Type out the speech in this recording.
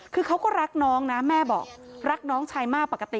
คือเขาก็รักน้องนะแม่บอกรักน้องชายมากปกติ